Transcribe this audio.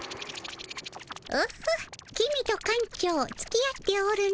オホッ公と館長つきあっておるの。